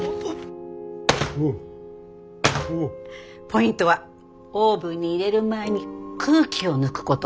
ポイントはオーブンに入れる前に空気を抜くことなんです。